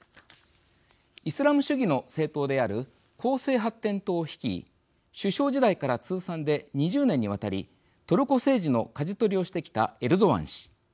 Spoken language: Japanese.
イスラム主義の政党である公正発展党を率い首相時代から通算で２０年にわたりトルコ政治のかじ取りをしてきたエルドアン氏。